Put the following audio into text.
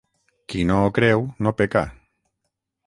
Qui no ho creu no peca.